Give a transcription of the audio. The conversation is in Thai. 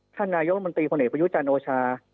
ท่านนายกลุ่มบันตรีคนเนยประยุจันทร์โอชา